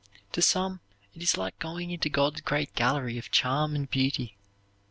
To some it is like going into God's great gallery of charm and beauty.